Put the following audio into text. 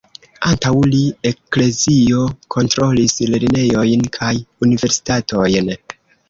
Antaŭ li, Eklezio kontrolis lernejojn kaj Universitatojn.